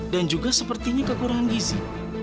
dan juga sepertinya kekurangan gizi